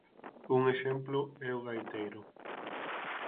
Un exemplo é o gaiteiro.